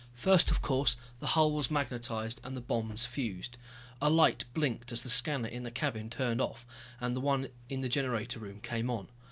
First, of course, the hull was magnetized and the bombs fused. A light blinked as the scanner in the cabin turned off, and the one in the generator room came on.